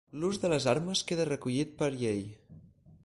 L'ús de les armes queda recollit per llei.